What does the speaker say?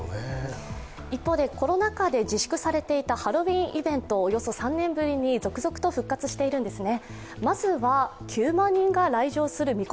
一方で、コロナ禍で自粛されていたハロウィーンイベント、およそ３年ぶりに続々と復活しているんですね。